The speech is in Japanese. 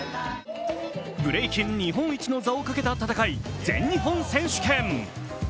ブレイキン日本一の座をかけた戦い、全日本選手権。